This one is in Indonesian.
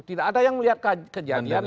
tidak ada yang melihat kejadian yang di sana